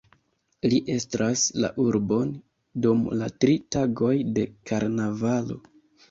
Li estras la urbon dum la tri tagoj de karnavalo.